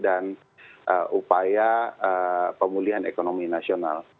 dan upaya pemulihan ekonomi nasional